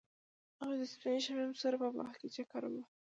هغوی د سپین شمیم سره په باغ کې چکر وواهه.